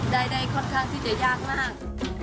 ได้ค่อนข้างที่จะยากมาก